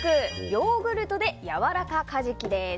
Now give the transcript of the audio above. ヨーグルトでやわらかカジキです。